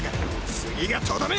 次がとどめ。